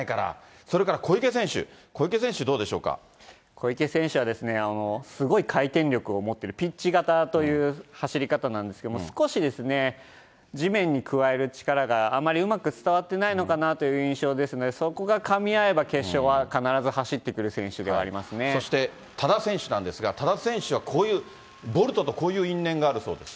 それから小池選手、小池選手どう小池選手はすごい回転力を持っている、ピッチ型という走り方なんですけれども、少し地面に加える力があまりうまく伝わっていないのかなという印象ですね、そこがかみ合えば、決勝は必ず走ってくる選手ではありそして多田選手なんですが、多田選手はこういう、ボルトとこういう因縁があるそうです。